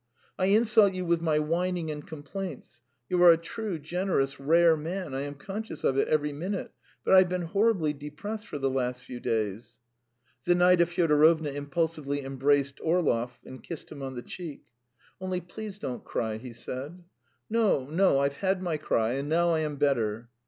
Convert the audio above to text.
"I insult you with my whining and complaints. You are a true, generous ... rare man I am conscious of it every minute; but I've been horribly depressed for the last few days. .." Zinaida Fyodorovna impulsively embraced Orlov and kissed him on the cheek. "Only please don't cry," he said. "No, no. ... I've had my cry, and now I am better."